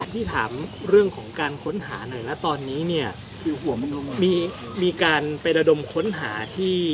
พี่ถามเรื่องของการค้นหาหน่อยนะตอนนี้เนี่ยคือหัวมุมมีการไประดมค้นหาที่